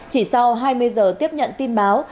chỉ sau hai mươi giờ tiếp nhận tin báo